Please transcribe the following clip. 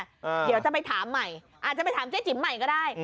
เดี๋ยวจะไปถามใหม่อาจจะไปถามเจ๊จิ๋มใหม่ก็ได้